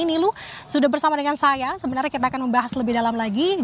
nilu sudah bersama dengan saya sebenarnya kita akan membahas lebih dalam lagi